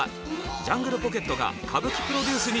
ジャングルポケットが歌舞伎プロデュースに挑戦。